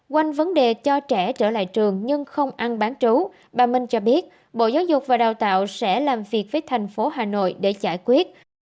quanh vấn đề cho trẻ trở lại trường nhưng không ăn bán trú bà minh cho biết bộ giáo dục và đào tạo sẽ làm việc với thành phố hà nội để giải quyết